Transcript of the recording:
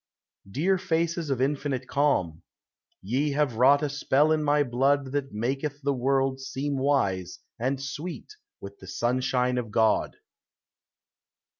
Dear faces of infinite calm, Ye have wrought a spell in my blood That maketh the world seem wise And sweet with the sunshine of God.